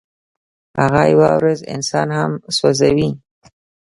هغه یوه ورځ انسان هم سوځوي.